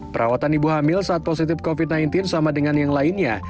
perawatan ibu hamil saat positif covid sembilan belas sama dengan yang lainnya